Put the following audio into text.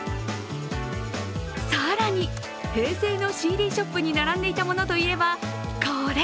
更に平成のＣＤショップに並んでいたものといえば、これ。